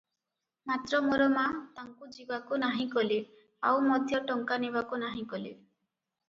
ମାତ୍ର ମୋର ମା ତାଙ୍କୁ ଯିବାକୁ ନାହିଁ କଲେ ଆଉ ମଧ୍ୟ ଟଙ୍କା ନେବାକୁ ନାହିଁ କଲେ ।